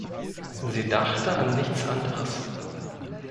Sie dachte an nichts anderes.